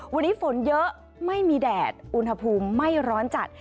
วันนี้ฝนเยอะไม่มีแดดอุณหภูมิไม่ร้อนจัด